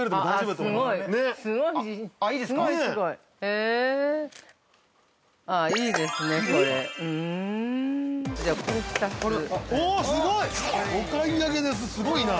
◆すごい！